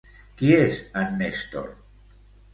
Qui és en Nestor?